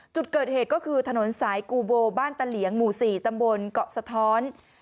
จุดเกิดเหตุก็คือถนนสายกูโบบ้านตะเหลียงหมู่๔ตำบลเกาะสะท้อน